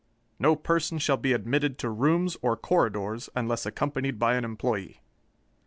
No person shall be admitted to rooms or corridors unless accompanied by an employee.